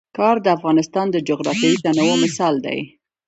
ګاز د افغانستان د جغرافیوي تنوع مثال دی.